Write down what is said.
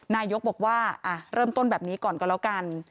นายกบอกว่าเริ่มต้นแบบนี้ก่อนก็แล้วกัน